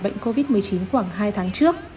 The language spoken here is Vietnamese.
bệnh covid một mươi chín khoảng hai tháng trước